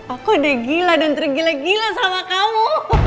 aku udah gila dan tergila gila sama kamu